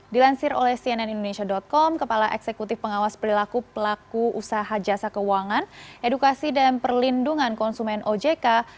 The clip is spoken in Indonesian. dilansir oleh cnn indonesia com kepala eksekutif pengawas perilaku pelaku usaha jasa keuangan edukasi dan perlindungan konsumen ojk